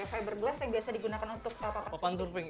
fiberglass yang biasa digunakan untuk pepang surfing